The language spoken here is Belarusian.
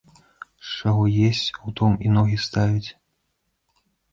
З чаго есць, у том і ногі ставіць.